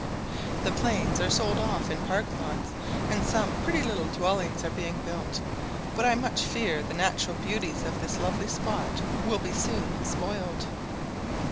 The plains are sold off in park lots, and some pretty little dwellings are being built, but I much fear the natural beauties of this lovely spot will be soon spoiled.